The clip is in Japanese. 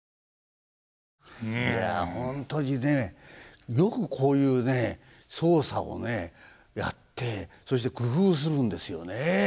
いや本当にねよくこういうね操作をねやってそして工夫するんですよね。